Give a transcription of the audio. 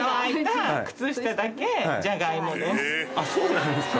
あそうなんですか。